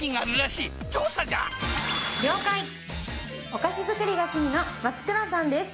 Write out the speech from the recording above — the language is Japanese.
お菓子作りが趣味の松倉さんです。